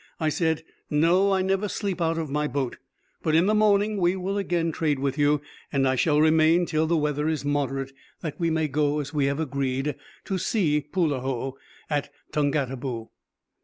I said "No, I never sleep out of my boat; but in the morning we will again trade with you, and I shall remain till the weather is moderate, that we may go, as we have agreed, to see Poulaho, at Tongataboo."